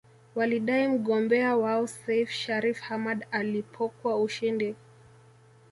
Walidai mgombea wao Seif Shariff Hamad alipokwa ushindi